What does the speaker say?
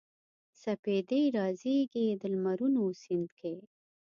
سپیدې رازیږي د لمرونو سیند کې